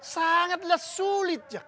sangatlah sulit jak